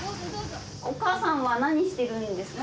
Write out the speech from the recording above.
お母さんは何してるんですか？